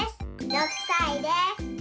６さいです。